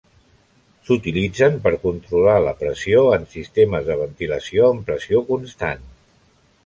S'utilitzen per controlar la pressió en sistemes de ventilació en pressió constant.